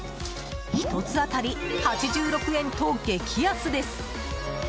１つ当たり８６円と激安です。